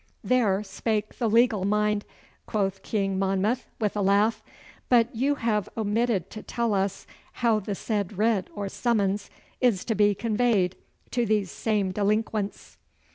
'There spake the legal mind,' quoth King Monmouth, with a laugh. 'But you have omitted to tell us how the said writ or summons is to be conveyed to these same delinquents.